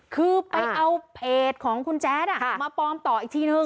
คือไปเอาเพจของคุณแจ๊ดมาปลอมต่ออีกทีนึง